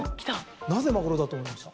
なぜマグロだと思いました？